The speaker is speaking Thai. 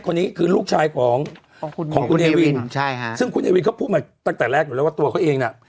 คนนี้คือลูกชายของของคุณเอวินใช่ฮะซึ่งคุณเอวินเขาพูดมาตั้งแต่แรกอยู่แล้วว่าตัวเขาเองน่ะ